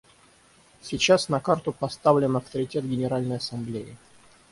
Сейчас на карту поставлен авторитет Генеральной Ассамблеи.